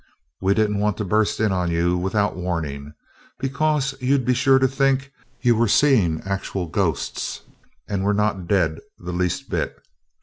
we didn't want to burst in on you without warning, because you'd be sure to think you were seeing actual ghosts, and we're not dead the least bit